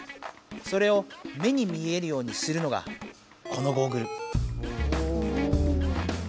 それを目に見えるようにするのがこのゴーグル。